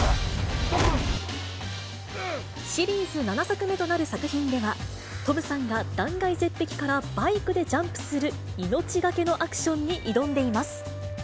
シリーズ７作目となる作品では、トムさんが断崖絶壁からバイクでジャンプする、命懸けのアクションに挑んでいます。